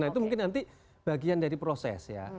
nah itu mungkin nanti bagian dari proses ya